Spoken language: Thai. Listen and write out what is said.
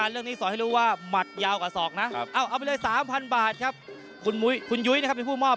เอกอนัลฟันศอก